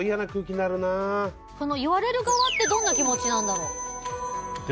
言われる側ってどんな気持ちなんだろう。